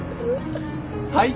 はい！